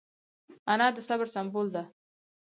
انا د صبر سمبول ده